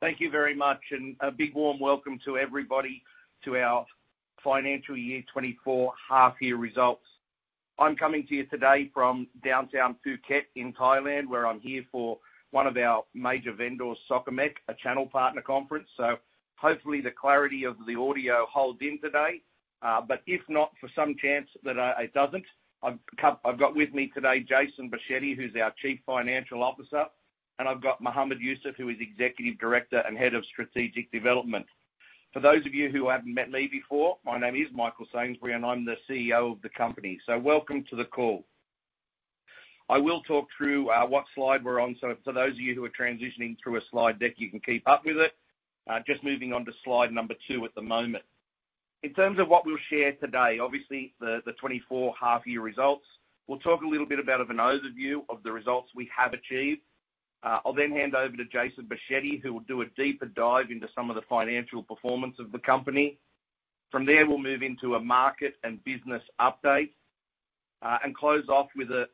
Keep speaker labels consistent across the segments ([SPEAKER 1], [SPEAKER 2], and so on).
[SPEAKER 1] Thank you very much, and a big warm welcome to everybody to our financial year 2024 half-year results. I'm coming to you today from downtown Phuket in Thailand, where I'm here for one of our major vendors, Socomec, a channel partner conference. So hopefully the clarity of the audio holds in today, but if not, for some chance that it doesn't, I've got with me today Jason Boschetti, who's our Chief Financial Officer, and I've got Mohamed Yoosuff, who is Executive Director and Head of Strategic Development. For those of you who haven't met me before, my name is Michael Sainsbury, and I'm the CEO of the company. So welcome to the call. I will talk through what slide we're on, so for those of you who are transitioning through a slide deck, you can keep up with it. Just moving on to slide number two at the moment. In terms of what we'll share today, obviously the 2024 half-year results, we'll talk a little bit about an overview of the results we have achieved. I'll then hand over to Jason Boschetti, who will do a deeper dive into some of the financial performance of the company. From there, we'll move into a market and business update and close off with a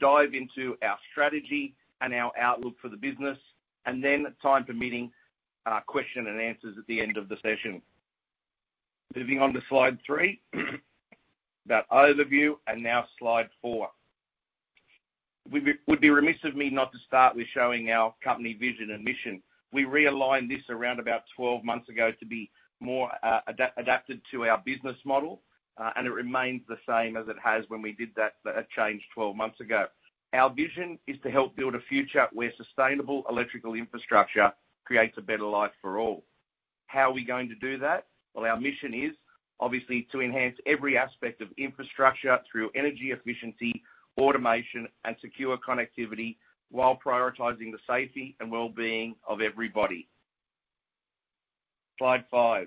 [SPEAKER 1] dive into our strategy and our outlook for the business, and then time permitting, question and answers at the end of the session. Moving on to slide three, that overview, and now slide four. It would be remiss of me not to start with showing our company vision and mission. We realigned this around about 12 months ago to be more adapted to our business model, and it remains the same as it has when we did that change 12 months ago. Our vision is to help build a future where sustainable electrical infrastructure creates a better life for all. How are we going to do that? Well, our mission is, obviously, to enhance every aspect of infrastructure through energy efficiency, automation, and secure connectivity while prioritizing the safety and well-being of everybody. Slide 5.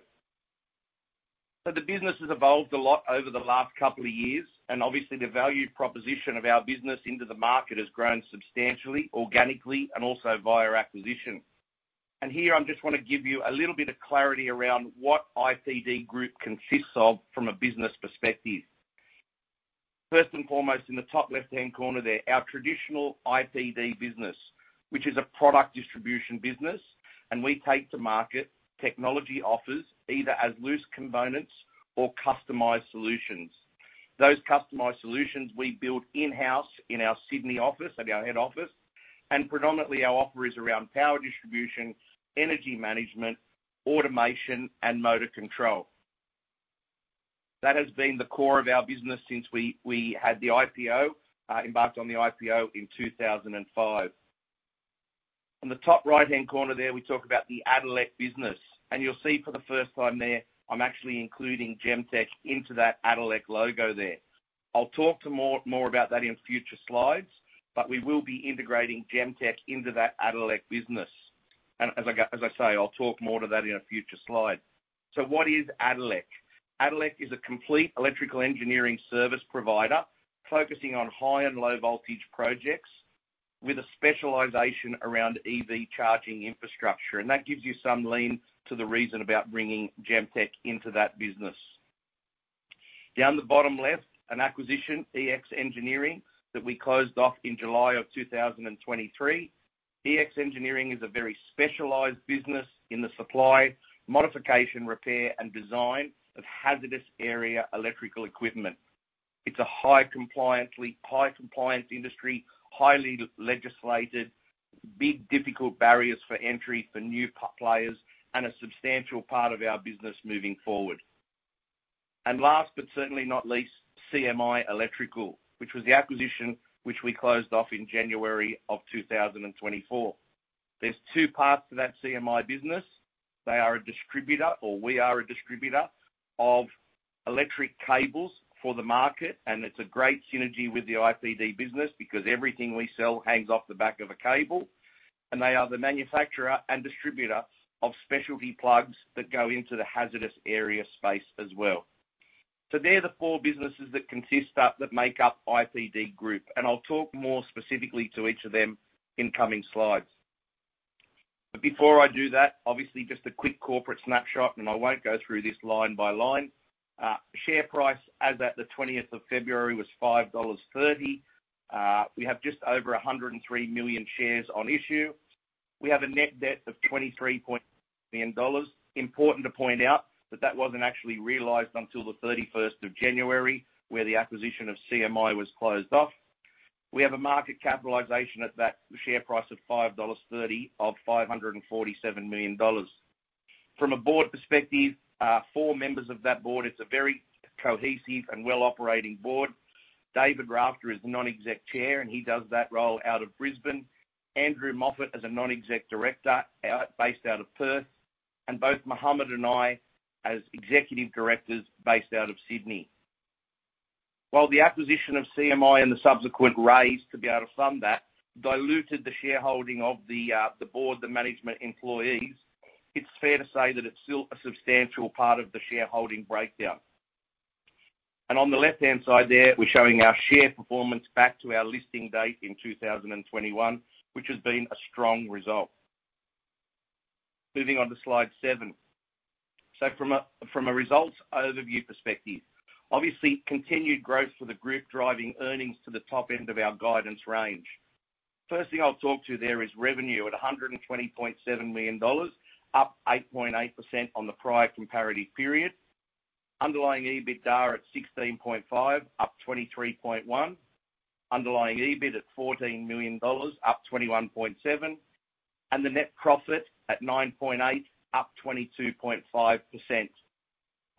[SPEAKER 1] So the business has evolved a lot over the last couple of years, and obviously, the value proposition of our business into the market has grown substantially, organically, and also via acquisition. And here I just want to give you a little bit of clarity around what IPD Group consists of from a business perspective. First and foremost, in the top left-hand corner there, our traditional IPD business, which is a product distribution business, and we take to market technology offers either as loose components or customized solutions. Those customized solutions we build in-house in our Sydney office at our head office, and predominantly our offer is around power distribution, energy management, automation, and motor control. That has been the core of our business since we had the IPO, embarked on the IPO in 2005. In the top right-hand corner there, we talk about the Addelec business, and you'll see for the first time there, I'm actually including Gemtech into that Addelec logo there. I'll talk more about that in future slides, but we will be integrating Gemtech into that Addelec business. And as I say, I'll talk more to that in a future slide. So what is Addelec? Addelec is a complete electrical engineering service provider focusing on high and low voltage projects with a specialization around EV charging infrastructure, and that gives you some clue to the reason about bringing Gemtech into that business. Down the bottom left, an acquisition, EX Engineering, that we closed off in July 2023. EX Engineering is a very specialized business in the supply, modification, repair, and design of hazardous area electrical equipment. It's a high-compliance industry, highly legislated, big, difficult barriers for entry for new players, and a substantial part of our business moving forward. Last but certainly not least, CMI Electrical, which was the acquisition which we closed off in January 2024. There's two parts to that CMI business. They are a distributor, or we are a distributor, of electric cables for the market, and it's a great synergy with the IPD business because everything we sell hangs off the back of a cable, and they are the manufacturer and distributor of specialty plugs that go into the hazardous area space as well. So they're the four businesses that make up IPD Group, and I'll talk more specifically to each of them in coming slides. But before I do that, obviously, just a quick corporate snapshot, and I won't go through this line by line. Share price as at the 20th of February was 5.30 dollars. We have just over 103 million shares on issue. We have a net debt of 23.9 million dollars. Important to point out that that wasn't actually realised until the 31st of January, where the acquisition of CMI was closed off. We have a market capitalisation at that share price of 5.30 dollars of 547 million dollars. From a board perspective, four members of that board, it's a very cohesive and well-operating board. David Rafter is the non-exec chair, and he does that role out of Brisbane. Andrew Moffat is a non-exec director based out of Perth, and both Mohamed and I as executive directors based out of Sydney. While the acquisition of CMI and the subsequent raise to be able to fund that diluted the shareholding of the board, the management employees, it's fair to say that it's still a substantial part of the shareholding breakdown. On the left-hand side there, we're showing our share performance back to our listing date in 2021, which has been a strong result. Moving on to slide seven. From a results overview perspective, obviously, continued growth for the group driving earnings to the top end of our guidance range. First thing I'll talk to there is revenue at 120.7 million dollars, up 8.8% on the prior comparative period. Underlying EBITDA at 16.5 million, up 23.1%. Underlying EBIT at 14 million dollars, up 21.7%. And the net profit at 9.8 million, up 22.5%.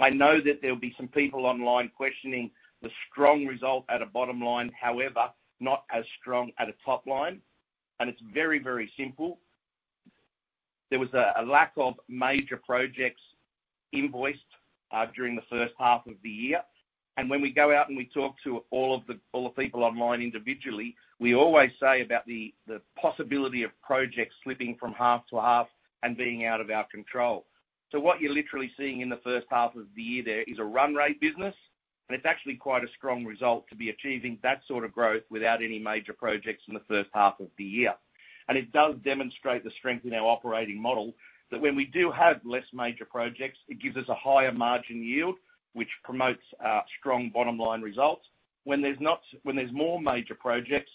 [SPEAKER 1] I know that there'll be some people online questioning the strong result at a bottom line, however, not as strong at a top line. It's very, very simple. There was a lack of major projects invoiced during the first half of the year. When we go out and we talk to all of the people online individually, we always say about the possibility of projects slipping from half to half and being out of our control. So what you're literally seeing in the first half of the year there is a run-rate business, and it's actually quite a strong result to be achieving that sort of growth without any major projects in the first half of the year. It does demonstrate the strength in our operating model that when we do have less major projects, it gives us a higher margin yield, which promotes strong bottom line results. When there's more major projects,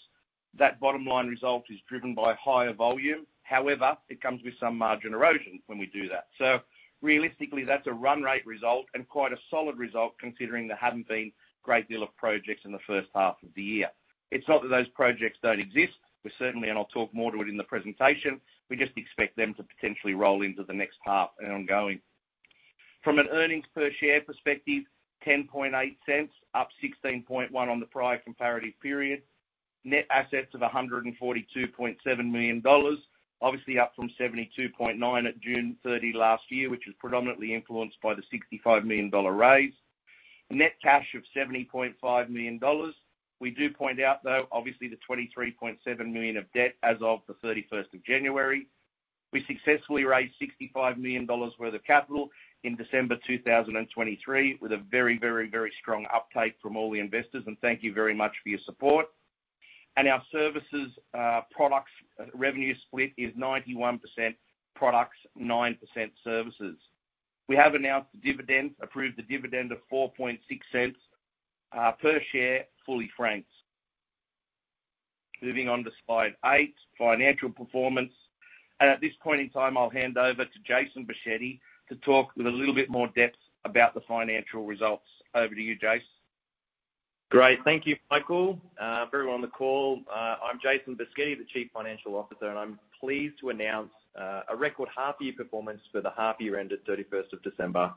[SPEAKER 1] that bottom line result is driven by higher volume. However, it comes with some margin erosion when we do that. Realistically, that's a run-rate result and quite a solid result considering there haven't been a great deal of projects in the first half of the year. It's not that those projects don't exist. We certainly, and I'll talk more to it in the presentation, we just expect them to potentially roll into the next half and ongoing. From an earnings per share perspective, 0.108, up 0.161 on the prior comparative period. Net assets of 142.7 million dollars, obviously up from 72.9 at June 30 last year, which was predominantly influenced by the 65 million dollar raise. Net cash of 70.5 million dollars. We do point out, though, obviously, the 23.7 million of debt as of the 31st of January. We successfully raised 65 million dollars worth of capital in December 2023 with a very, very, very strong uptake from all the investors, and thank you very much for your support. Our services products revenue split is 91% products, 9% services. We have announced approved a dividend of 0.046 per share, fully franked. Moving on to Slide 8, financial performance. At this point in time, I'll hand over to Jason Boschetti to talk with a little bit more depth about the financial results. Over to you, Jason.
[SPEAKER 2] Great. Thank you, Michael. Everyone on the call, I'm Jason Boschetti, the Chief Financial Officer, and I'm pleased to announce a record half-year performance for the half-year end at 31st of December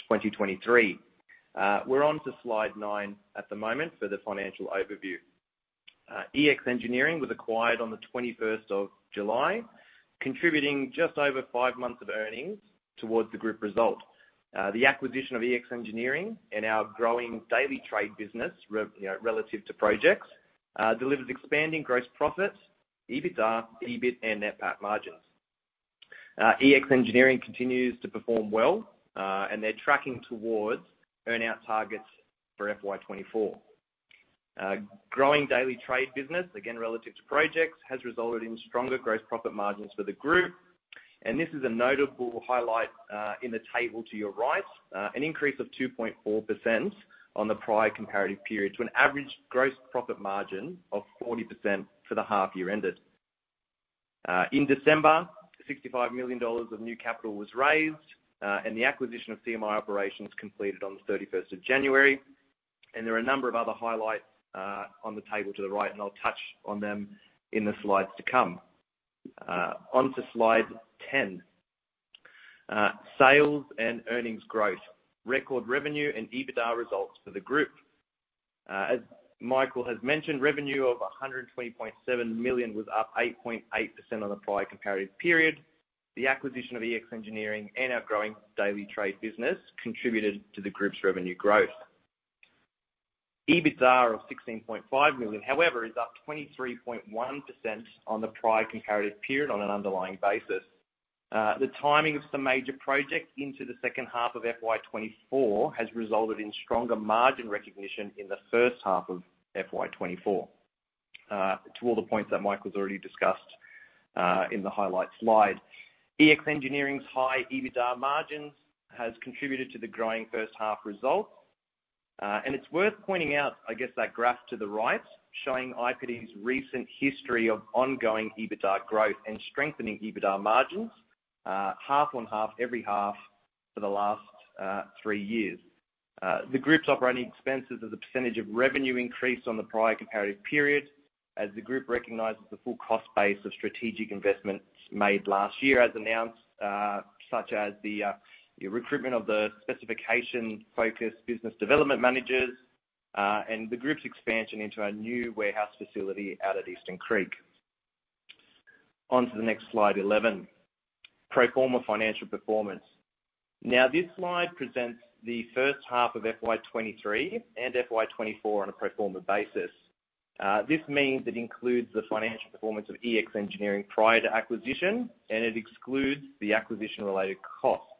[SPEAKER 2] 2023. We're on to slide 9 at the moment for the financial overview. EX Engineering was acquired on the 21st of July, contributing just over 5 months of earnings towards the group result. The acquisition of EX Engineering and our growing daily trade business relative to projects delivers expanding gross profits, EBITDA, EBIT, and net PAT margins. EX Engineering continues to perform well, and they're tracking towards earnout targets for FY2024. Growing daily trade business, again relative to projects, has resulted in stronger gross profit margins for the group. This is a notable highlight in the table to your right, an increase of 2.4% on the prior comparative period to an average gross profit margin of 40% for the half-year ended. In December, 65 million dollars of new capital was raised, and the acquisition of CMI Electrical completed on the 31st of January. There are a number of other highlights on the table to the right, and I'll touch on them in the slides to come. On to slide 10. Sales and earnings growth, record revenue and EBITDA results for the group. As Michael has mentioned, revenue of 120.7 million was up 8.8% on the prior comparative period. The acquisition of EX Engineering and our growing daily trade business contributed to the group's revenue growth. EBITDA of 16.5 million, however, is up 23.1% on the prior comparative period on an underlying basis. The timing of some major projects into the second half of FY24 has resulted in stronger margin recognition in the first half of FY24 to all the points that Michael's already discussed in the highlight slide. EX Engineering's high EBITDA margins have contributed to the growing first half results. It's worth pointing out, I guess, that graph to the right showing IPD's recent history of ongoing EBITDA growth and strengthening EBITDA margins half on half every half for the last three years. The group's operating expenses as a percentage of revenue increase on the prior comparative period as the group recognizes the full cost base of strategic investments made last year as announced, such as the recruitment of the specification-focused business development managers and the group's expansion into a new warehouse facility out at Eastern Creek. On to the next slide, 11. Pro forma financial performance. Now, this slide presents the first half of FY23 and FY24 on a pro forma basis. This means it includes the financial performance of EX Engineering prior to acquisition, and it excludes the acquisition-related costs.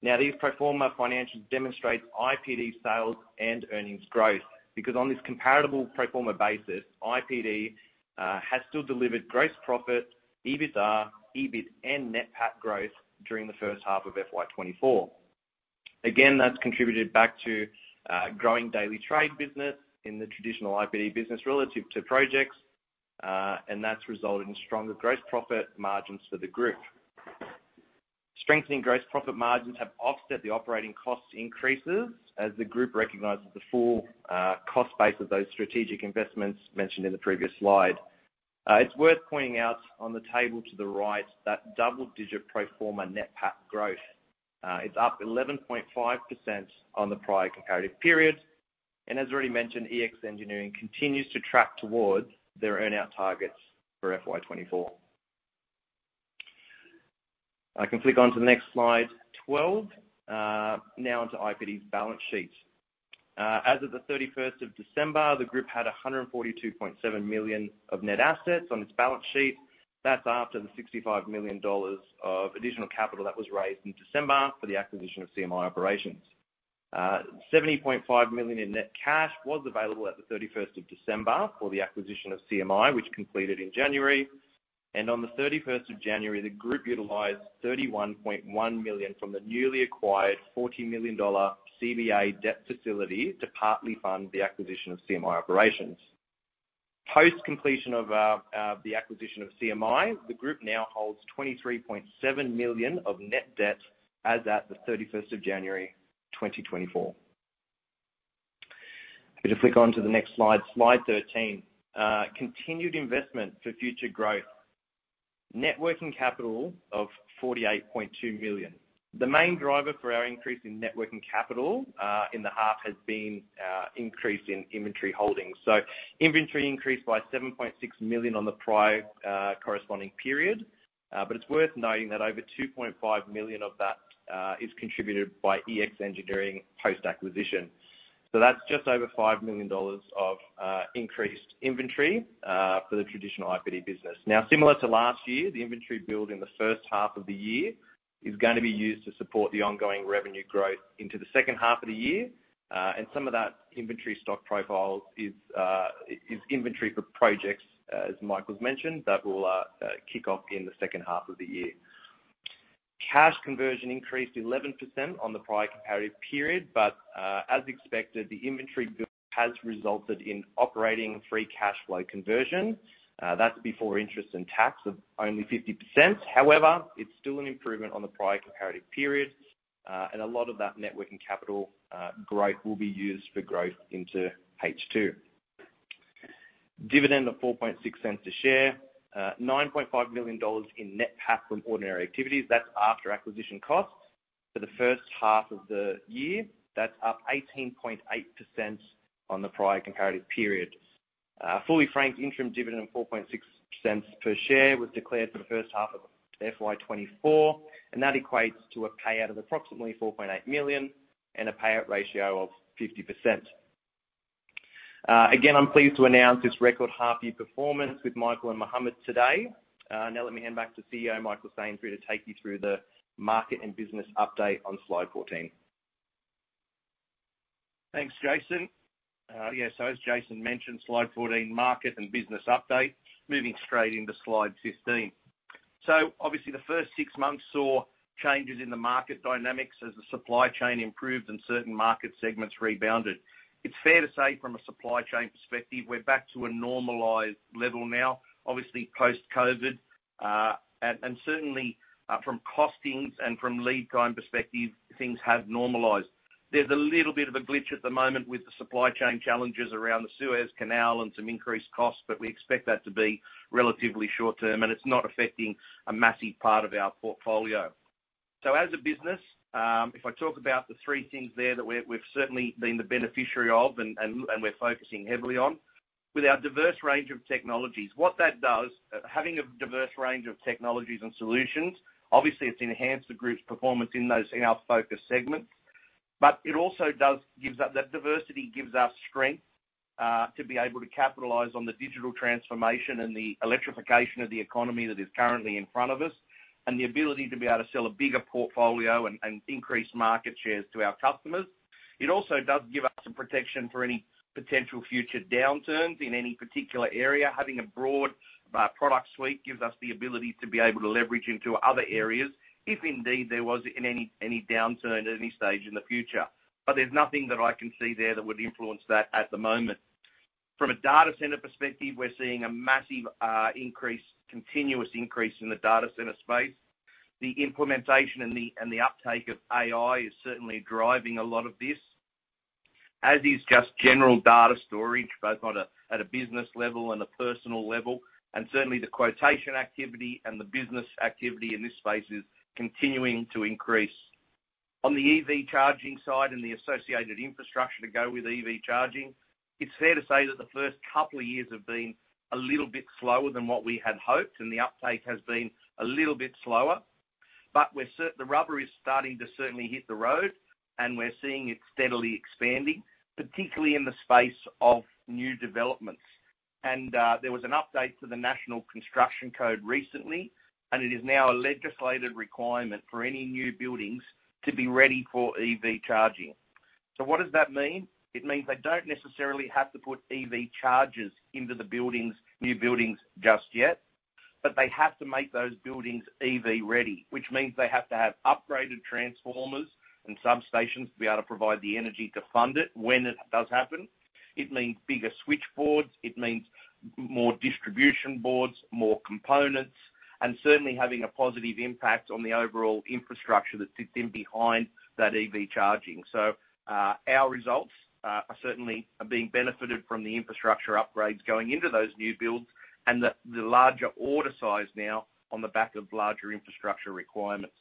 [SPEAKER 2] Now, these pro forma financials demonstrate IPD sales and earnings growth because on this comparable pro forma basis, IPD has still delivered gross profit, EBITDA, EBIT, and net PAT growth during the first half of FY24. Again, that's contributed back to growing daily trade business in the traditional IPD business relative to projects, and that's resulted in stronger gross profit margins for the group. Strengthening gross profit margins have offset the operating costs increases as the group recognises the full cost base of those strategic investments mentioned in the previous slide. It's worth pointing out on the table to the right that double-digit pro forma net PAT growth. It's up 11.5% on the prior comparative period. As already mentioned, EX Engineering continues to track towards their earnout targets for FY24. I can flick on to the next slide 12. Now onto IPD's balance sheet. As of the 31st of December, the group had 142.7 million of net assets on its balance sheet. That's after the 65 million dollars of additional capital that was raised in December for the acquisition of CMI Operations. 70.5 million in net cash was available at the 31st of December for the acquisition of CMI, which completed in January. And on the 31st of January, the group utilized 31.1 million from the newly acquired 40 million dollar CBA debt facility to partly fund the acquisition of CMI Operations. Post-completion of the acquisition of CMI, the group now holds 23.7 million of net debt as at the 31st of January, 2024. If you could flick on to the next slide 13. Continued investment for future growth. Working capital of 48.2 million. The main driver for our increase in working capital in the half has been increase in inventory holdings. So inventory increased by 7.6 million on the prior corresponding period. But it's worth noting that over 2.5 million of that is contributed by EX Engineering post-acquisition. So that's just over 5 million dollars of increased inventory for the traditional IPD business. Now, similar to last year, the inventory build in the first half of the year is going to be used to support the ongoing revenue growth into the second half of the year. And some of that inventory stock profile is inventory for projects, as Michael's mentioned, that will kick off in the second half of the year. Cash conversion increased 11% on the prior comparative period, but as expected, the inventory build has resulted in operating free cash flow conversion. That's before interest and tax of only 50%. However, it's still an improvement on the prior comparative period. A lot of that working capital growth will be used for growth into H2. Dividend of 0.046 per share. 9.5 million dollars in net PAT from ordinary activities. That's after acquisition costs for the first half of the year. That's up 18.8% on the prior comparative period. Fully franked interim dividend of 0.046 per share was declared for the first half of FY2024, and that equates to a payout of approximately 4.8 million and a payout ratio of 50%. Again, I'm pleased to announce this record half-year performance with Michael and Mohamed today. Now let me hand back to CEO Michael Sainsbury to take you through the market and business update on slide 14.
[SPEAKER 1] Thanks, Jason. Yeah, so as Jason mentioned, slide 14, market and business update. Moving straight into slide 15. So obviously, the first six months saw changes in the market dynamics as the supply chain improved and certain market segments rebounded. It's fair to say from a supply chain perspective, we're back to a normalized level now, obviously post-COVID. And certainly from costings and from lead time perspective, things have normalized. There's a little bit of a glitch at the moment with the supply chain challenges around the Suez Canal and some increased costs, but we expect that to be relatively short-term, and it's not affecting a massive part of our portfolio. So as a business, if I talk about the three things there that we've certainly been the beneficiary of and we're focusing heavily on with our diverse range of technologies, what that does, having a diverse range of technologies and solutions, obviously, it's enhanced the group's performance in our focus segments. But it also gives us that diversity gives us strength to be able to capitalize on the digital transformation and the electrification of the economy that is currently in front of us and the ability to be able to sell a bigger portfolio and increase market shares to our customers. It also does give us some protection for any potential future downturns in any particular area. Having a broad product suite gives us the ability to be able to leverage into other areas if indeed there was any downturn at any stage in the future. But there's nothing that I can see there that would influence that at the moment. From a data center perspective, we're seeing a massive continuous increase in the data center space. The implementation and the uptake of AI is certainly driving a lot of this, as is just general data storage, both at a business level and a personal level. And certainly, the quotation activity and the business activity in this space is continuing to increase. On the EV charging side and the associated infrastructure to go with EV charging, it's fair to say that the first couple of years have been a little bit slower than what we had hoped, and the uptake has been a little bit slower. But the rubber is starting to certainly hit the road, and we're seeing it steadily expanding, particularly in the space of new developments. There was an update to the National Construction Code recently, and it is now a legislated requirement for any new buildings to be ready for EV charging. So what does that mean? It means they don't necessarily have to put EV chargers into the new buildings just yet, but they have to make those buildings EV ready, which means they have to have upgraded transformers and substations to be able to provide the energy to fund it when it does happen. It means bigger switchboards. It means more distribution boards, more components, and certainly having a positive impact on the overall infrastructure that sits in behind that EV charging. So our results are certainly being benefited from the infrastructure upgrades going into those new builds and the larger order size now on the back of larger infrastructure requirements.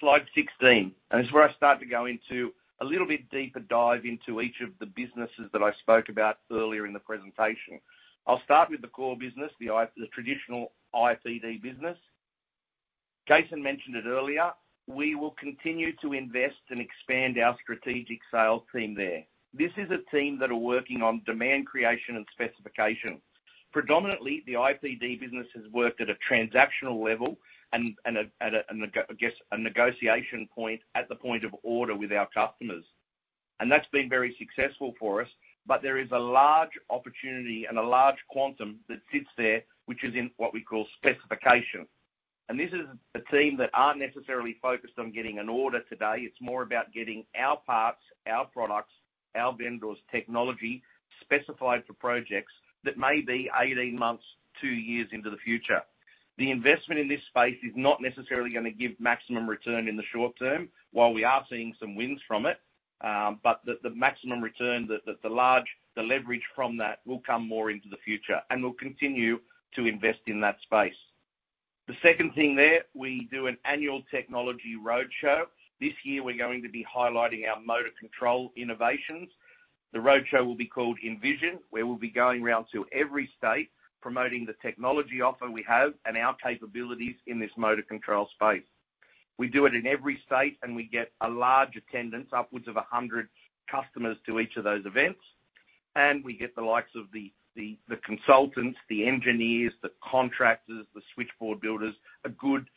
[SPEAKER 1] Slide 16. It's where I start to go into a little bit deeper dive into each of the businesses that I spoke about earlier in the presentation. I'll start with the core business, the traditional IPD business. Jason mentioned it earlier. We will continue to invest and expand our strategic sales team there. This is a team that are working on demand creation and specification. Predominantly, the IPD business has worked at a transactional level and, I guess, a negotiation point at the point of order with our customers. That's been very successful for us. But there is a large opportunity and a large quantum that sits there, which is in what we call specification. This is a team that aren't necessarily focused on getting an order today. It's more about getting our parts, our products, our vendors, technology specified for projects that may be 18 months, 2 years into the future. The investment in this space is not necessarily going to give maximum return in the short term, while we are seeing some wins from it. But the leverage from that will come more into the future, and we'll continue to invest in that space. The second thing there, we do an annual technology roadshow. This year, we're going to be highlighting our motor control innovations. The roadshow will be called Envision, where we'll be going round to every state promoting the technology offer we have and our capabilities in this motor control space. We do it in every state, and we get a large attendance, upwards of 100 customers to each of those events. We get the likes of the consultants, the engineers, the contractors, the switchboard builders, a good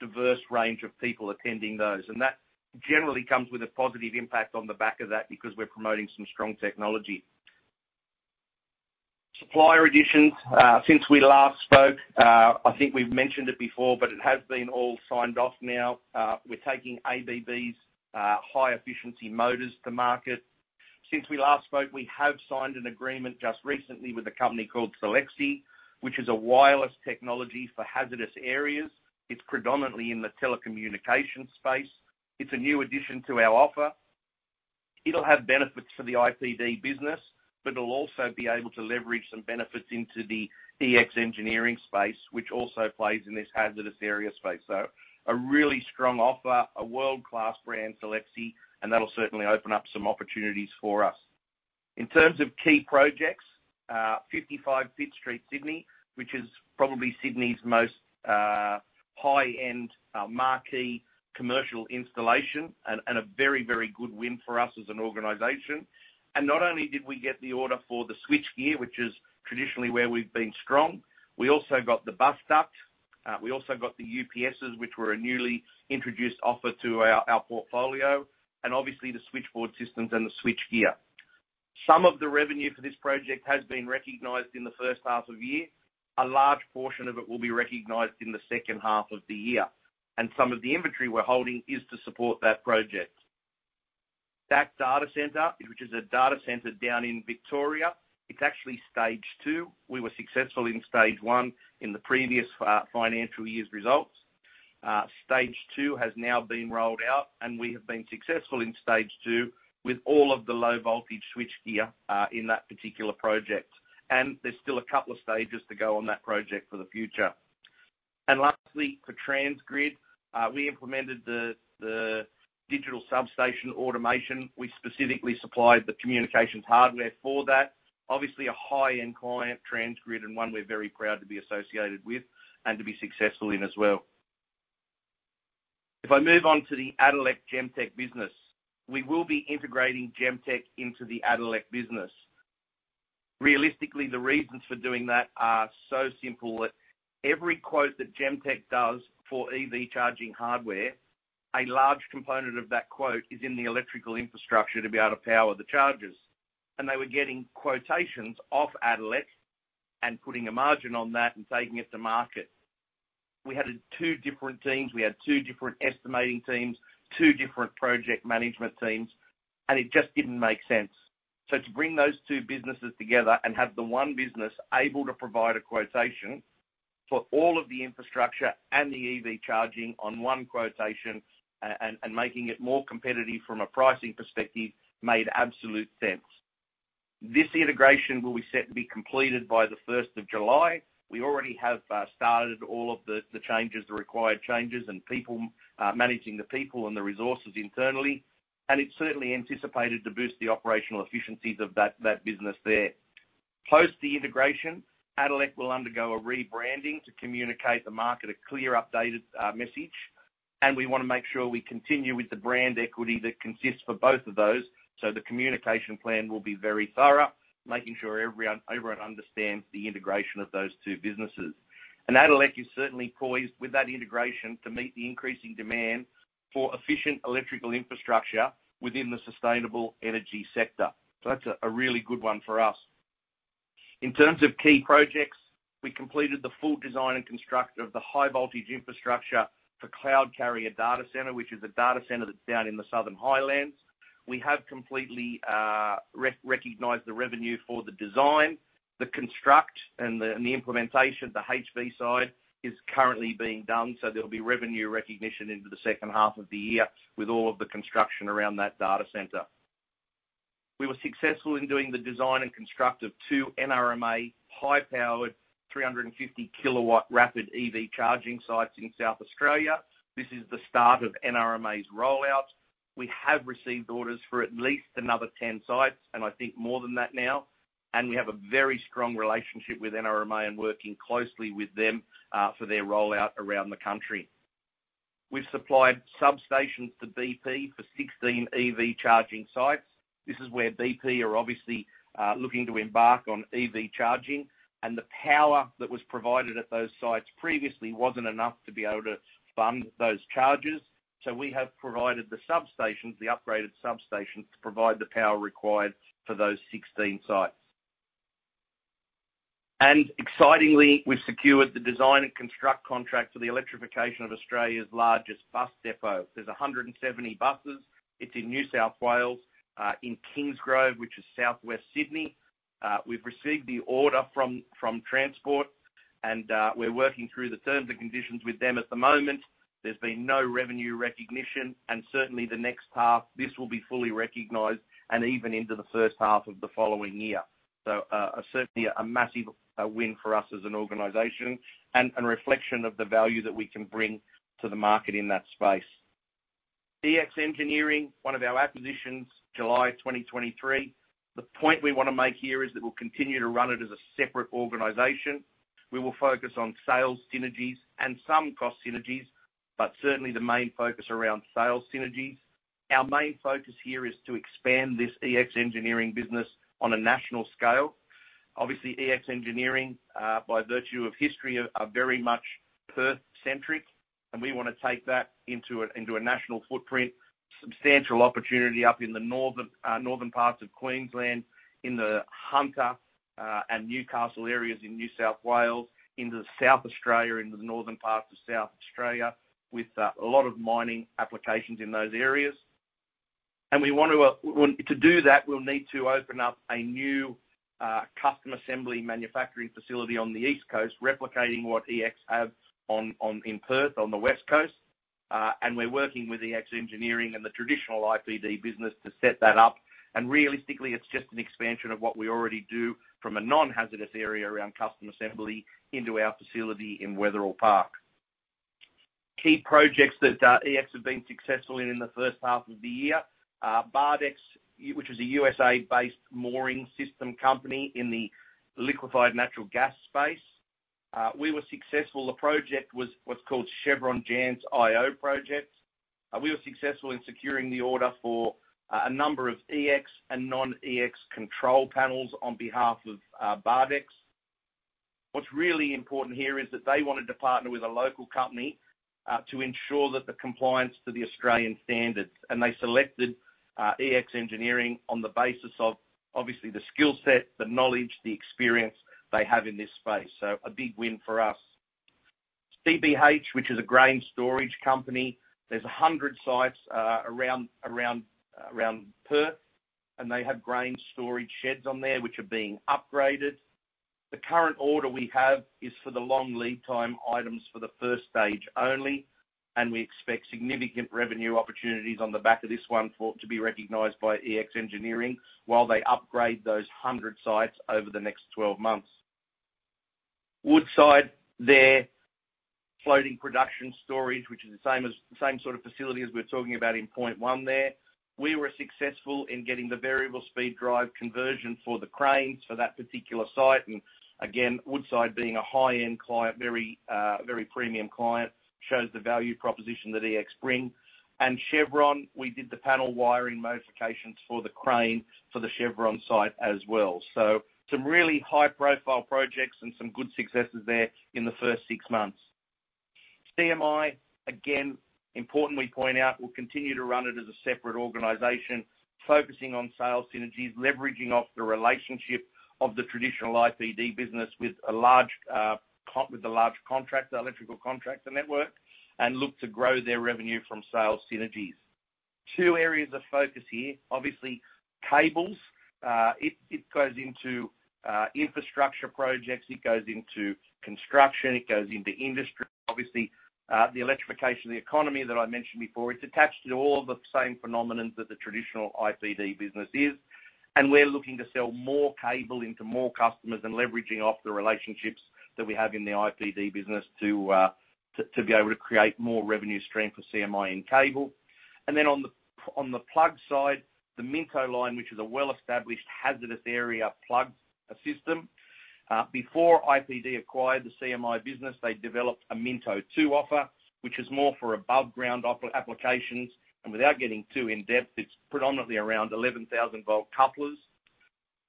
[SPEAKER 1] diverse range of people attending those. That generally comes with a positive impact on the back of that because we're promoting some strong technology. Supplier additions. Since we last spoke, I think we've mentioned it before, but it has been all signed off now. We're taking ABB's high-efficiency motors to market. Since we last spoke, we have signed an agreement just recently with a company called Selexi, which is a wireless technology for hazardous areas. It's predominantly in the telecommunications space. It's a new addition to our offer. It'll have benefits for the IPD business, but it'll also be able to leverage some benefits into the EX Engineering space, which also plays in this hazardous area space. So a really strong offer, a world-class brand, Selexi, and that'll certainly open up some opportunities for us. In terms of key projects, 55 Pitt Street Sydney, which is probably Sydney's most high-end marquee commercial installation, and a very, very good win for us as an organization. And not only did we get the order for the switchgear, which is traditionally where we've been strong, we also got the bus duct. We also got the UPSs, which were a newly introduced offer to our portfolio, and obviously, the switchboard systems and the switchgear. Some of the revenue for this project has been recognized in the first half of year. A large portion of it will be recognized in the second half of the year. And some of the inventory we're holding is to support that project. That data centre, which is a data centre down in Victoria, it's actually stage two. We were successful in stage one in the previous financial year's results. Stage two has now been rolled out, and we have been successful in stage two with all of the low-voltage switchgear in that particular project. And there's still a couple of stages to go on that project for the future. And lastly, for Transgrid, we implemented the digital substation automation. We specifically supplied the communications hardware for that. Obviously, a high-end client, Transgrid, and one we're very proud to be associated with and to be successful in as well. If I move on to the Addelec Gemtech business, we will be integrating Gemtech into the Addelec business. Realistically, the reasons for doing that are so simple that every quote that Gemtech does for EV charging hardware, a large component of that quote is in the electrical infrastructure to be able to power the chargers. They were getting quotations off Addelec and putting a margin on that and taking it to market. We had two different teams. We had two different estimating teams, two different project management teams, and it just didn't make sense. So to bring those two businesses together and have the one business able to provide a quotation for all of the infrastructure and the EV charging on one quotation and making it more competitive from a pricing perspective made absolute sense. This integration will be set to be completed by the 1st of July. We already have started all of the required changes and managing the people and the resources internally. And it's certainly anticipated to boost the operational efficiencies of that business there. Post the integration, Addelec will undergo a rebranding to communicate the market a clear, updated message. We want to make sure we continue with the brand equity that consists for both of those. So the communication plan will be very thorough, making sure everyone understands the integration of those two businesses. Addelec is certainly poised with that integration to meet the increasing demand for efficient electrical infrastructure within the sustainable energy sector. So that's a really good one for us. In terms of key projects, we completed the full design and construct of the high-voltage infrastructure for Cloud Carrier Data Center, which is a data center that's down in the Southern Highlands. We have completely recognized the revenue for the design. The construct and the implementation, the HV side, is currently being done. So there'll be revenue recognition into the second half of the year with all of the construction around that data center. We were successful in doing the design and construct of 2 NRMA high-powered 350-kilowatt rapid EV charging sites in South Australia. This is the start of NRMA's rollout. We have received orders for at least another 10 sites, and I think more than that now. We have a very strong relationship with NRMA and working closely with them for their rollout around the country. We've supplied substations to BP for 16 EV charging sites. This is where BP are obviously looking to embark on EV charging. The power that was provided at those sites previously wasn't enough to be able to fund those charges. So we have provided the upgraded substations to provide the power required for those 16 sites. Excitingly, we've secured the design and construct contract for the electrification of Australia's largest bus depot. There's 170 buses. It's in New South Wales, in Kingsgrove, which is southwest Sydney. We've received the order from Transport, and we're working through the terms and conditions with them at the moment. There's been no revenue recognition. And certainly, the next half, this will be fully recognized and even into the first half of the following year. So certainly, a massive win for us as an organization and a reflection of the value that we can bring to the market in that space. EX Engineering, one of our acquisitions, July 2023. The point we want to make here is that we'll continue to run it as a separate organization. We will focus on sales synergies and some cost synergies, but certainly, the main focus around sales synergies. Our main focus here is to expand this EX Engineering business on a national scale. Obviously, EX Engineering, by virtue of history, are very much Perth-centric, and we want to take that into a national footprint. Substantial opportunity up in the northern parts of Queensland, in the Hunter and Newcastle areas in New South Wales, into South Australia, into the northern parts of South Australia with a lot of mining applications in those areas. To do that, we'll need to open up a new custom assembly manufacturing facility on the East Coast, replicating what EX have in Perth on the West Coast. We're working with EX Engineering and the traditional IPD business to set that up. Realistically, it's just an expansion of what we already do from a non-hazardous area around custom assembly into our facility in Wetherill Park. Key projects that EX have been successful in in the first half of the year, Bardex, which is a USA-based mooring system company in the liquefied natural gas space. We were successful. The project was what's called Chevron Jansz-Io project. We were successful in securing the order for a number of EX and non-EX control panels on behalf of Bardex. What's really important here is that they wanted to partner with a local company to ensure that the compliance to the Australian standards. And they selected EX Engineering on the basis of, obviously, the skill set, the knowledge, the experience they have in this space. So a big win for us. CBH, which is a grain storage company, there's 100 sites around Perth, and they have grain storage sheds on there, which are being upgraded. The current order we have is for the long lead time items for the first stage only. We expect significant revenue opportunities on the back of this one to be recognized by EX Engineering while they upgrade those 100 sites over the next 12 months. Woodside there, Floating Production Storage, which is the same sort of facility as we're talking about in point one there. We were successful in getting the variable speed drive conversion for the cranes for that particular site. Again, Woodside being a high-end client, very premium client, shows the value proposition that EX bring. Chevron, we did the panel wiring modifications for the crane for the Chevron site as well. Some really high-profile projects and some good successes there in the first six months. CMI, again, importantly point out, we'll continue to run it as a separate organization, focusing on sales synergies, leveraging off the relationship of the traditional IPD business with the large electrical contractor network and look to grow their revenue from sales synergies. Two areas of focus here, obviously, cables. It goes into infrastructure projects. It goes into construction. It goes into industry. Obviously, the electrification of the economy that I mentioned before, it's attached to all the same phenomenon that the traditional IPD business is. And we're looking to sell more cable into more customers and leveraging off the relationships that we have in the IPD business to be able to create more revenue stream for CMI in cable. And then on the plug side, the Minto line, which is a well-established hazardous area plug system. Before IPD acquired the CMI business, they developed a Minto 2 offer, which is more for above-ground applications. Without getting too in-depth, it's predominantly around 11,000-volt couplers.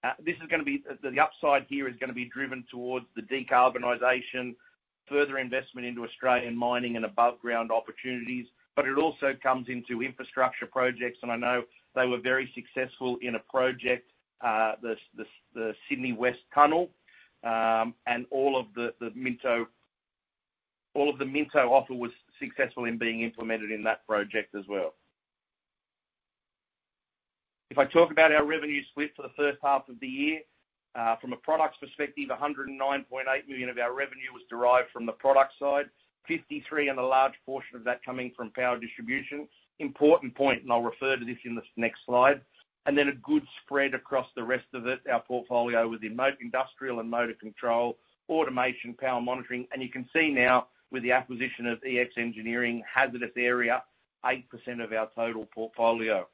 [SPEAKER 1] The upside here is going to be driven towards the decarbonization, further investment into Australian mining and above-ground opportunities. But it also comes into infrastructure projects. And I know they were very successful in a project, the Sydney West Tunnel. And all of the Minto offer was successful in being implemented in that project as well. If I talk about our revenue split for the first half of the year, from a product perspective, 109.8 million of our revenue was derived from the product side, 53 and a large portion of that coming from power distribution. Important point, and I'll refer to this in the next slide. And then a good spread across the rest of it, our portfolio within industrial and motor control, automation, power monitoring. And you can see now, with the acquisition of EX Engineering, hazardous area, 8% of our total portfolio.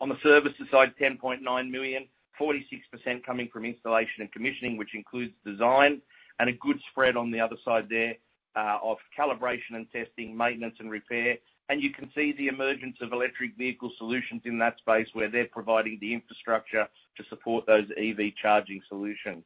[SPEAKER 1] On the services side, 10.9 million, 46% coming from installation and commissioning, which includes design. And a good spread on the other side there of calibration and testing, maintenance, and repair. And you can see the emergence of electric vehicle solutions in that space where they're providing the infrastructure to support those EV charging solutions.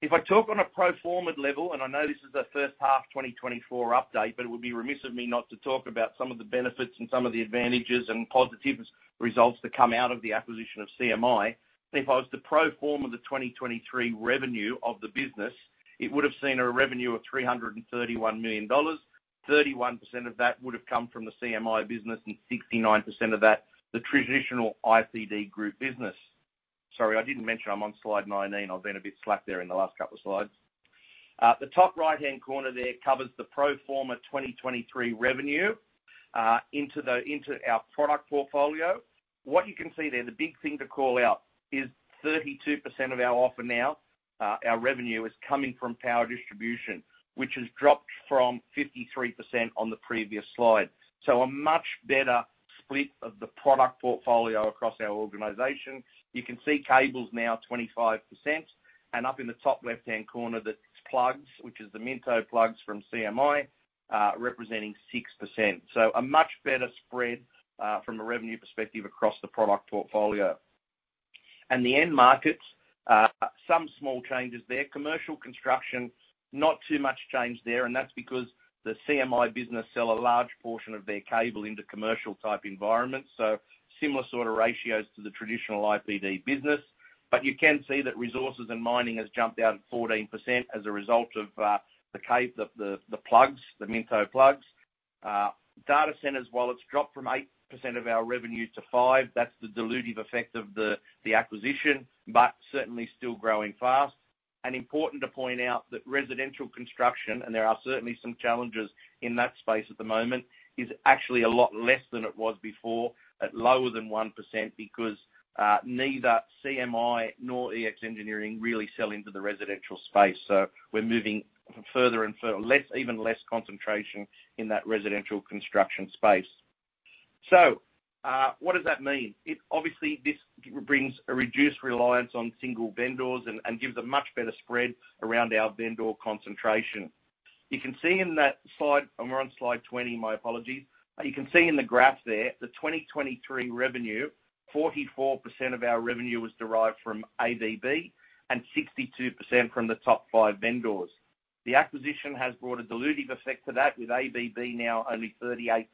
[SPEAKER 1] If I talk on a pro forma level, and I know this is a first half 2024 update, but it would be remiss of me not to talk about some of the benefits and some of the advantages and positive results that come out of the acquisition of CMI. If I was to pro forma the 2023 revenue of the business, it would have seen a revenue of 331 million dollars. 31% of that would have come from the CMI business and 69% of that, the traditional IPD Group business. Sorry, I didn't mention I'm on slide 19. I've been a bit slack there in the last couple of slides. The top right-hand corner there covers the pro forma 2023 revenue into our product portfolio. What you can see there, the big thing to call out, is 32% of our offer now, our revenue, is coming from power distribution, which has dropped from 53% on the previous slide. So a much better split of the product portfolio across our organization. You can see cables now, 25%. And up in the top left-hand corner, that's plugs, which is the Minto plugs from CMI, representing 6%. So a much better spread from a revenue perspective across the product portfolio. And the end markets, some small changes there. Commercial construction, not too much change there. And that's because the CMI business sell a large portion of their cable into commercial-type environments. So similar sort of ratios to the traditional IPD business. But you can see that resources and mining has jumped out at 14% as a result of the plugs, the Minto plugs. Data centers, while it's dropped from 8% of our revenue to 5%, that's the dilutive effect of the acquisition, but certainly still growing fast. And important to point out that residential construction, and there are certainly some challenges in that space at the moment, is actually a lot less than it was before, at lower than 1% because neither CMI nor EX Engineering really sell into the residential space. So we're moving further and further, even less concentration in that residential construction space. So what does that mean? Obviously, this brings a reduced reliance on single vendors and gives a much better spread around our vendor concentration. You can see in that slide and we're on slide 20, my apologies. You can see in the graph there, the 2023 revenue, 44% of our revenue was derived from ABB and 62% from the top five vendors. The acquisition has brought a dilutive effect to that with ABB now only 38%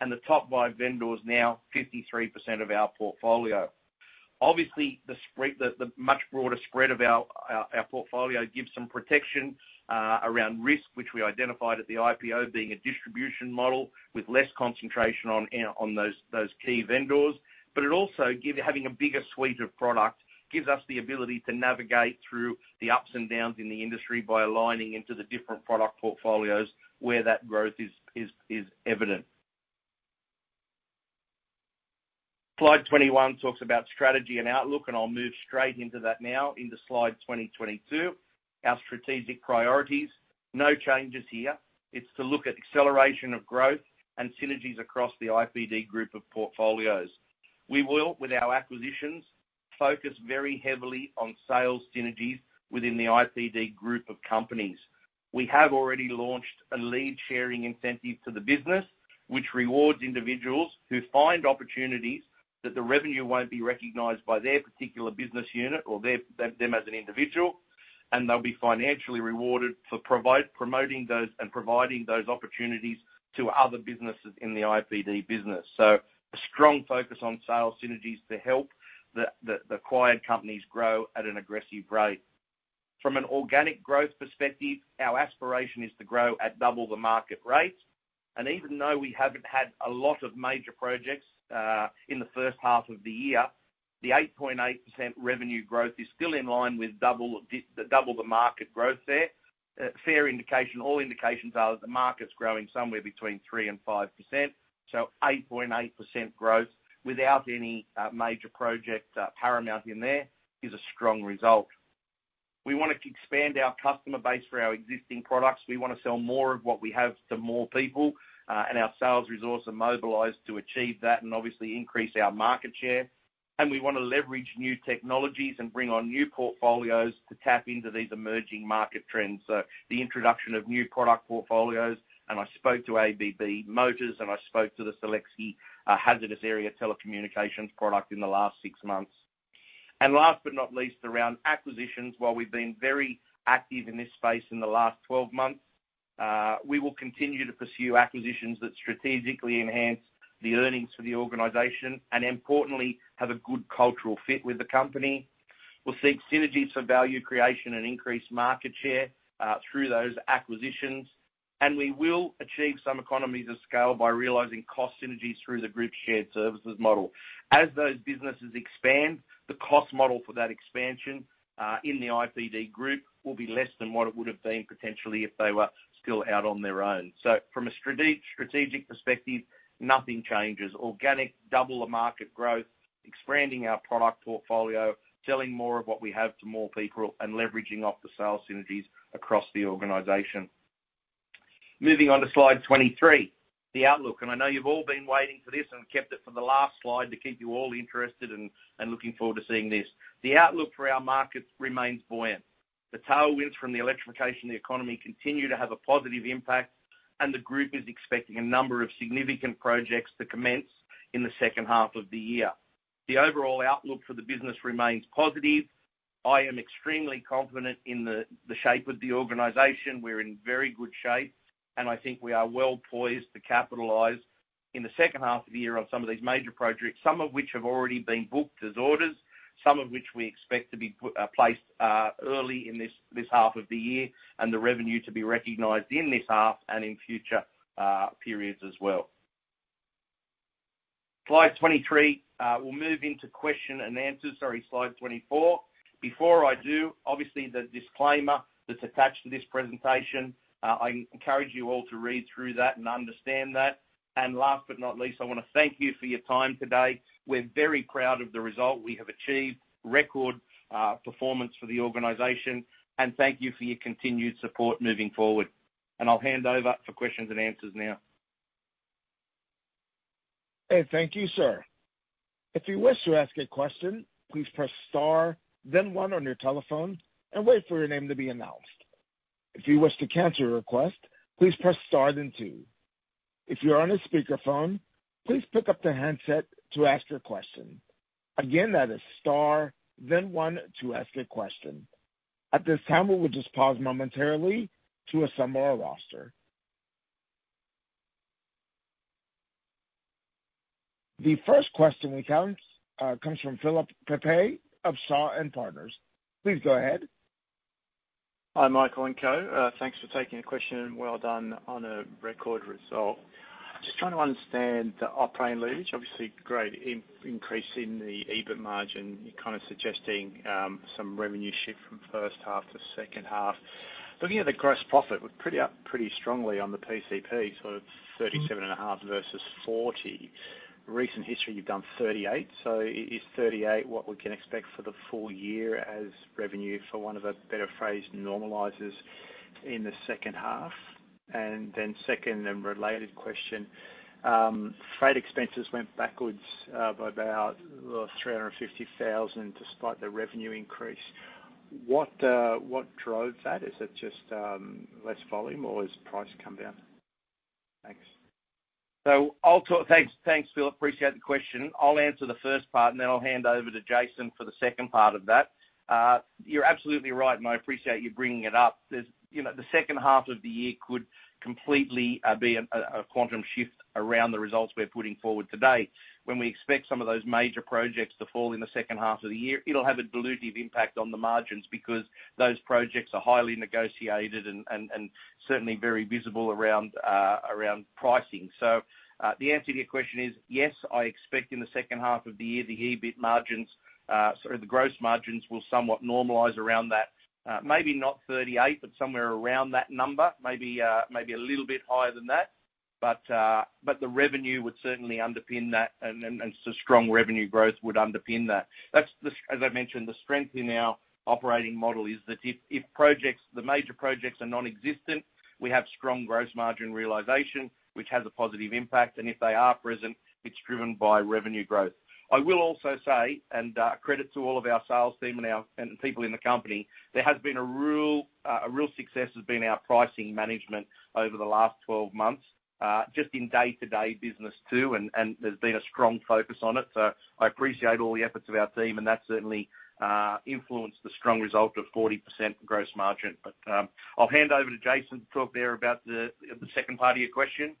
[SPEAKER 1] and the top five vendors now 53% of our portfolio. Obviously, the much broader spread of our portfolio gives some protection around risk, which we identified at the IPO being a distribution model with less concentration on those key vendors. But having a bigger suite of product gives us the ability to navigate through the ups and downs in the industry by aligning into the different product portfolios where that growth is evident. Slide 21 talks about strategy and outlook, and I'll move straight into that now, into slide 22, our strategic priorities. No changes here. It's to look at acceleration of growth and synergies across the IPD Group of portfolios. We will, with our acquisitions, focus very heavily on sales synergies within the IPD Group of companies. We have already launched a lead-sharing incentive to the business, which rewards individuals who find opportunities that the revenue won't be recognized by their particular business unit or them as an individual. And they'll be financially rewarded for promoting and providing those opportunities to other businesses in the IPD Group. So a strong focus on sales synergies to help the acquired companies grow at an aggressive rate. From an organic growth perspective, our aspiration is to grow at double the market rate. And even though we haven't had a lot of major projects in the first half of the year, the 8.8% revenue growth is still in line with double the market growth there. Fair indication, all indications are that the market's growing somewhere between 3%-5%. So 8.8% growth without any major project paramount in there is a strong result. We want to expand our customer base for our existing products. We want to sell more of what we have to more people. And our sales resources are mobilized to achieve that and, obviously, increase our market share. And we want to leverage new technologies and bring on new portfolios to tap into these emerging market trends. So the introduction of new product portfolios. And I spoke to ABB Motors, and I spoke to the Selexi hazardous area telecommunications product in the last six months. And last but not least, around acquisitions, while we've been very active in this space in the last 12 months, we will continue to pursue acquisitions that strategically enhance the earnings for the organization and, importantly, have a good cultural fit with the company. We'll seek synergies for value creation and increased market share through those acquisitions. And we will achieve some economies of scale by realizing cost synergies through the group's shared services model. As those businesses expand, the cost model for that expansion in the IPD Group will be less than what it would have been potentially if they were still out on their own. So from a strategic perspective, nothing changes. Organic, double the market growth, expanding our product portfolio, selling more of what we have to more people, and leveraging off the sales synergies across the organization. Moving on to slide 23, the outlook. I know you've all been waiting for this, and we kept it for the last slide to keep you all interested and looking forward to seeing this. The outlook for our market remains buoyant. The tailwinds from the electrification of the economy continue to have a positive impact. The group is expecting a number of significant projects to commence in the second half of the year. The overall outlook for the business remains positive. I am extremely confident in the shape of the organization. We're in very good shape. I think we are well poised to capitalize in the second half of the year on some of these major projects, some of which have already been booked as orders, some of which we expect to be placed early in this half of the year, and the revenue to be recognized in this half and in future periods as well. Slide 23, we'll move into question and answers. Sorry, slide 24. Before I do, obviously, the disclaimer that's attached to this presentation. I encourage you all to read through that and understand that. And last but not least, I want to thank you for your time today. We're very proud of the result we have achieved, record performance for the organization. And thank you for your continued support moving forward. And I'll hand over for questions and answers now.
[SPEAKER 3] Hey, thank you, sir. If you wish to ask a question, please press star, then one on your telephone, and wait for your name to be announced. If you wish to cancel your request, please press star then two. If you're on a speakerphone, please pick up the handset to ask your question. Again, that is star, then one, to ask a question. At this time, we will just pause momentarily to assemble our roster. The first question we count comes from Philip Pepe of Shaw and Partners. Please go ahead.
[SPEAKER 4] Hi, Michael and Jason. Thanks for taking the question. Well done on a record result. Just trying to understand the operating leverage. Obviously, great increase in the EBIT margin. You're kind of suggesting some revenue shift from first half to second half. Looking at the gross profit, we're pretty up pretty strongly on the PCP, so 37.5 versus 40. Recent history, you've done 38. So is 38 what we can expect for the full year as revenue, for want of a better phrase, normalizes in the second half? And then second and related question, freight expenses went backwards by about 350,000 despite the revenue increase. What drove that? Is it just less volume, or has price come down? Thanks.
[SPEAKER 1] So thanks, Philip. Appreciate the question. I'll answer the first part, and then I'll hand over to Jason for the second part of that. You're absolutely right, Moe. Appreciate you bringing it up. The second half of the year could completely be a quantum shift around the results we're putting forward today. When we expect some of those major projects to fall in the second half of the year, it'll have a dilutive impact on the margins because those projects are highly negotiated and certainly very visible around pricing. So the answer to your question is, yes, I expect in the second half of the year, the EBIT margins, sorry, the gross margins will somewhat normalize around that. Maybe not 38, but somewhere around that number, maybe a little bit higher than that. But the revenue would certainly underpin that, and so strong revenue growth would underpin that. As I mentioned, the strength in our operating model is that if the major projects are nonexistent, we have strong gross margin realization, which has a positive impact. And if they are present, it's driven by revenue growth. I will also say, and credit to all of our sales team and people in the company, there has been a real success has been our pricing management over the last 12 months, just in day-to-day business too. And there's been a strong focus on it. So I appreciate all the efforts of our team. And that's certainly influenced the strong result of 40% gross margin. But I'll hand over to Jason to talk there about the second part of your question.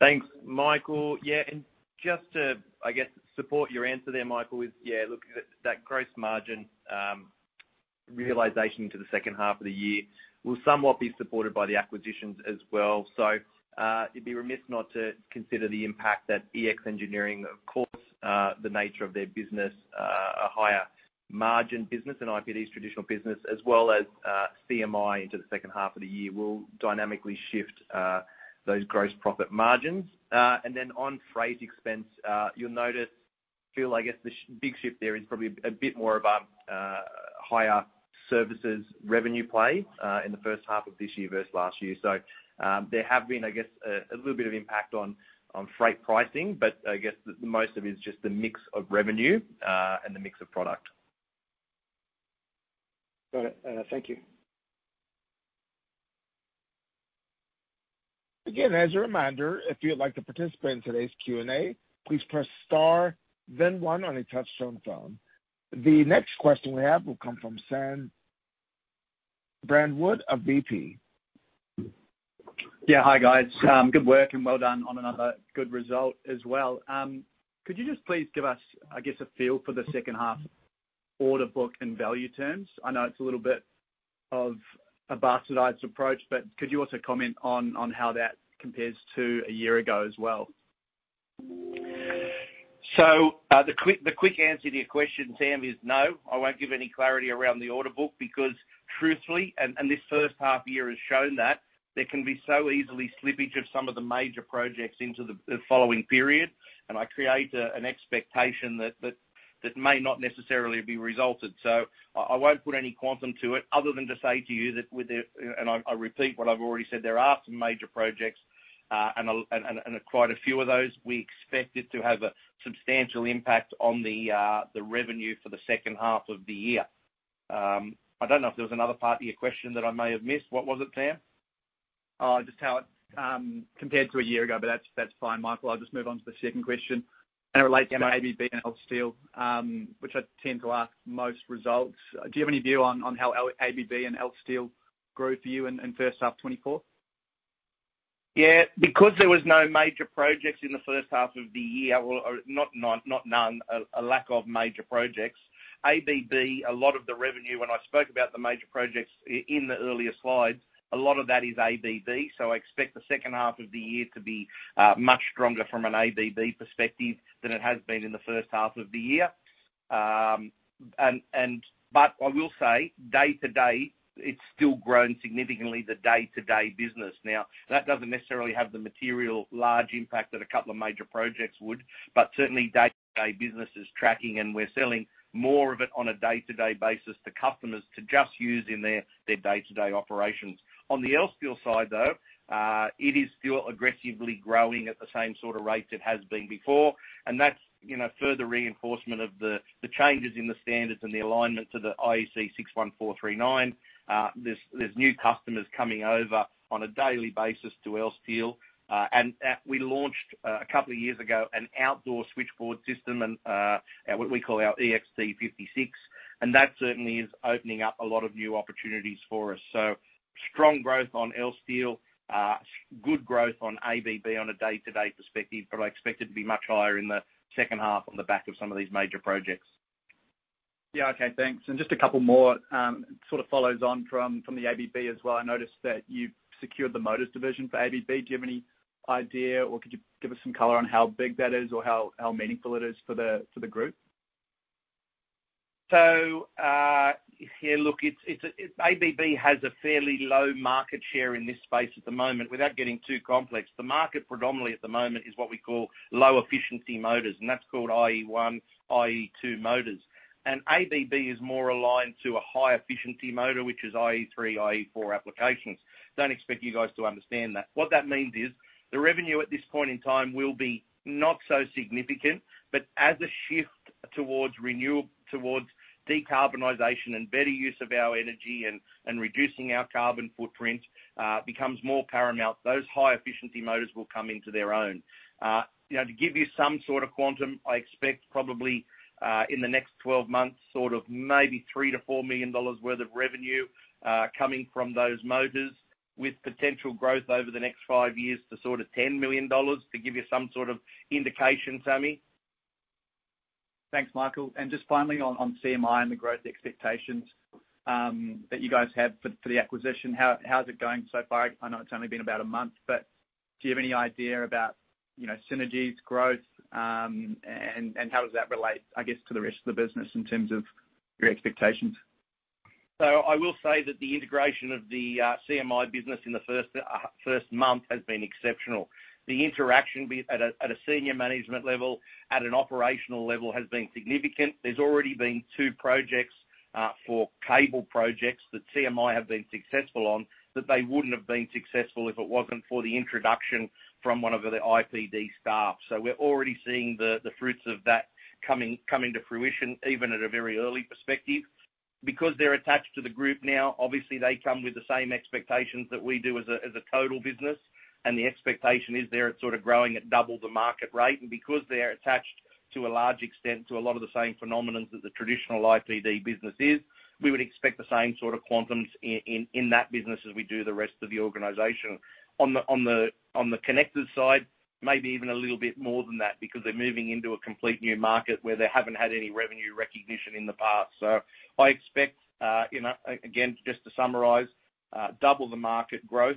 [SPEAKER 2] Thanks, Michael. Yeah. And just to, I guess, support your answer there, Michael, yeah, look, that gross margin realization into the second half of the year will somewhat be supported by the acquisitions as well. So it'd be remiss not to consider the impact that EX Engineering, of course, the nature of their business, a higher margin business, an IPD's traditional business, as well as CMI into the second half of the year will dynamically shift those gross profit margins. And then on freight expense, you'll notice, Phil, I guess the big shift there is probably a bit more of a higher services revenue play in the first half of this year versus last year. So there have been, I guess, a little bit of impact on freight pricing. But I guess the most of it is just the mix of revenue and the mix of product.
[SPEAKER 4] Got it. Thank you.
[SPEAKER 3] Again, as a reminder, if you'd like to participate in today's Q&A, please press star, then one, on your touch-tone phone. The next question we have will come from Sam Brandwood of BP.
[SPEAKER 5] Yeah. Hi, guys. Good work and well done on another good result as well. Could you just please give us, I guess, a feel for the second half order book in value terms? I know it's a little bit of a bastardized approach, but could you also comment on how that compares to a year ago as well?
[SPEAKER 1] So the quick answer to your question, Sam, is no. I won't give any clarity around the order book because, truthfully, and this first half year has shown that, there can be so easily slippage of some of the major projects into the following period. And I create an expectation that may not necessarily be resulted. So I won't put any quantum to it other than to say to you that with the and I repeat what I've already said. There are some major projects, and quite a few of those, we expect it to have a substantial impact on the revenue for the second half of the year. I don't know if there was another part of your question that I may have missed. What was it, Sam?
[SPEAKER 5] Just how it compared to a year ago. But that's fine, Michael. I'll just move on to the second question. It relates to ABB and Elsteel, which I tend to ask most results. Do you have any view on how ABB and Elsteel grew for you in first half 2024?
[SPEAKER 1] Yeah. Because there was no major projects in the first half of the year, a lack of major projects, ABB, a lot of the revenue when I spoke about the major projects in the earlier slides, a lot of that is ABB. So I expect the second half of the year to be much stronger from an ABB perspective than it has been in the first half of the year. But I will say, day to day, it's still grown significantly, the day-to-day business. Now, that doesn't necessarily have the material large impact that a couple of major projects would. But certainly, day-to-day business is tracking, and we're selling more of it on a day-to-day basis to customers to just use in their day-to-day operations. On the Elsteel side, though, it is still aggressively growing at the same sort of rates it has been before. That's further reinforcement of the changes in the standards and the alignment to the IEC 61439. There's new customers coming over on a daily basis to Elsteel. We launched a couple of years ago an outdoor switchboard system, what we call our EXT 56. That certainly is opening up a lot of new opportunities for us. Strong growth on Elsteel, good growth on ABB on a day-to-day perspective. I expect it to be much higher in the second half on the back of some of these major projects.
[SPEAKER 5] Yeah. Okay. Thanks. And just a couple more. It sort of follows on from the ABB as well. I noticed that you've secured the motors division for ABB. Do you have any idea, or could you give us some color on how big that is or how meaningful it is for the group?
[SPEAKER 1] So here, look, ABB has a fairly low market share in this space at the moment. Without getting too complex, the market predominantly at the moment is what we call low-efficiency motors. And that's called IE1, IE2 motors. And ABB is more aligned to a high-efficiency motor, which is IE3, IE4 applications. Don't expect you guys to understand that. What that means is the revenue at this point in time will be not so significant. But as a shift towards decarbonization and better use of our energy and reducing our carbon footprint becomes more paramount, those high-efficiency motors will come into their own. To give you some sort of quantum, I expect probably in the next 12 months, sort of maybe 3 million-4 million dollars worth of revenue coming from those motors, with potential growth over the next 5 years to sort of 10 million dollars, to give you some sort of indication, Sammy.
[SPEAKER 5] Thanks, Michael. And just finally, on CMI and the growth expectations that you guys have for the acquisition, how's it going so far? I know it's only been about a month, but do you have any idea about synergies, growth, and how does that relate, I guess, to the rest of the business in terms of your expectations?
[SPEAKER 1] So I will say that the integration of the CMI business in the first month has been exceptional. The interaction at a senior management level, at an operational level, has been significant. There's already been 2 projects for cable projects that CMI have been successful on that they wouldn't have been successful if it wasn't for the introduction from one of the IPD staff. So we're already seeing the fruits of that coming to fruition, even at a very early perspective. Because they're attached to the group now, obviously, they come with the same expectations that we do as a total business. And the expectation is they're sort of growing at double the market rate. And because they're attached, to a large extent, to a lot of the same phenomena that the traditional IPD business is, we would expect the same sort of quantums in that business as we do the rest of the organization. On the connected side, maybe even a little bit more than that because they're moving into a completely new market where they haven't had any revenue recognition in the past. So I expect, again, just to summarize, double the market growth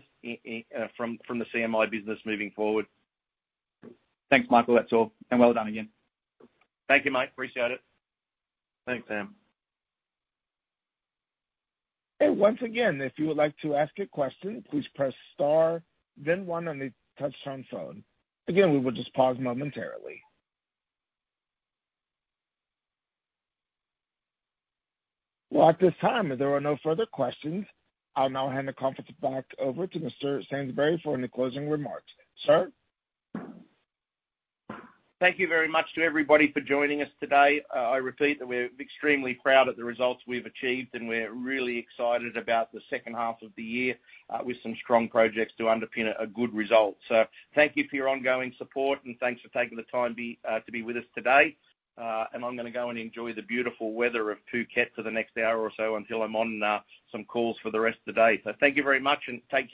[SPEAKER 1] from the CMI business moving forward.
[SPEAKER 5] Thanks, Michael. That's all. And well done again.
[SPEAKER 1] Thank you, much appreciate it.
[SPEAKER 2] Thanks, Sam.
[SPEAKER 3] Hey. Once again, if you would like to ask a question, please press star, then one, on your touch-tone phone. Again, we will just pause momentarily. Well, at this time, if there are no further questions, I'll now hand the conference back over to Mr. Sainsbury for any closing remarks. Sir?
[SPEAKER 1] Thank you very much to everybody for joining us today. I repeat that we're extremely proud of the results we've achieved. We're really excited about the second half of the year with some strong projects to underpin a good result. Thank you for your ongoing support, and thanks for taking the time to be with us today. I'm going to go and enjoy the beautiful weather of Phuket for the next hour or so until I'm on some calls for the rest of the day. Thank you very much, and take care.